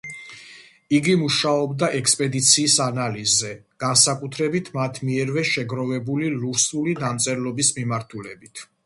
იგი მუშაობდა ექსპედიციის ანალიზზე, განსაკუთრებით მათ მიერვე შეგროვებული ლურსმნული დამწერლობის მიმართულებით.